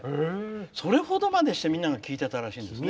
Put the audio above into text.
それほどまでしてみんなが聞いてたんですね。